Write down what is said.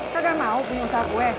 kau kan mau buka usapue